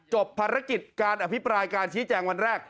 ภารกิจการอภิปรายการชี้แจงวันแรก